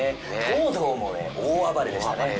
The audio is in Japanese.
東堂もね大暴れでしたね。